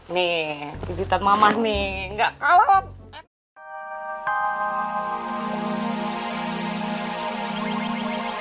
nih pijitan mamah nih nggak kalah